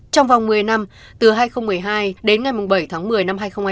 trong vòng một mươi năm từ hai nghìn một mươi hai đến ngày bảy tháng một mươi năm hai nghìn hai mươi